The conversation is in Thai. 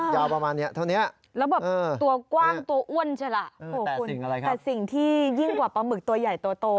ยาวประมาณนี้เท่านี้แล้วแบบตัวกว้างตัวอ้วนใช่ล่ะโอ้โหคุณแต่สิ่งที่ยิ่งกว่าปลาหมึกตัวใหญ่ตัวโต